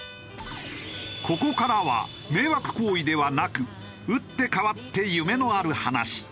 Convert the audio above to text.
ここからは迷惑行為ではなく打って変わって夢のある話。